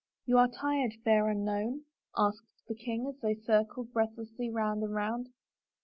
" You are tired, fair unknown ?" asked the king as they circled breathlessly round and round.